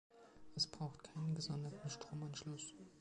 Es braucht keinen gesonderten Stromanschluss.